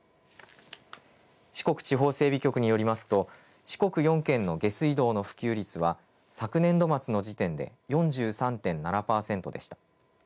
四国地方整備局によりますと四国４県の下水道の普及率は昨年度末の時点で４３．７％でした。